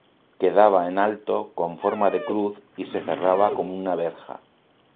Quedaba en alto, con forma de cruz y se cerraba con una verja.